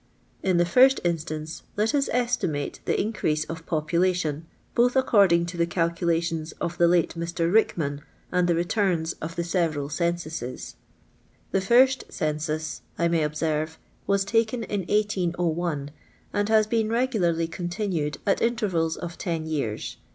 In the first instance let us estimate the increase of population, both according to the calculations of the late Mr. Rickman and the returns of the seve ral censuses. The first census, I may observe, was taken in 1801, and has been regularly continued at intervals of ten years.